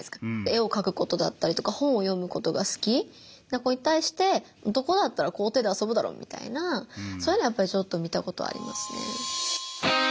絵を描くことだったりとか本を読むことが好きな子に対して男だったら校庭で遊ぶだろみたいなそういうのはやっぱりちょっと見たことありますね。